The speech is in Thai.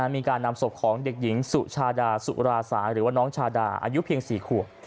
มีการนำศพของเด็กหญิงสุชาดาสุราสายหรือว่าน้องชาดาอายุเพียง๔ขวบ